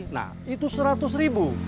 nah itu seratus ribu